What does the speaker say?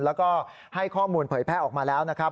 แล้วก็ให้ข้อมูลเผยแพร่ออกมาแล้วนะครับ